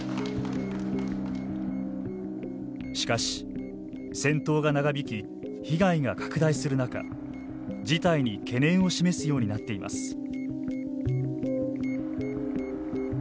しかし戦闘が長引き被害が拡大する中事態に懸念を示すようになっています。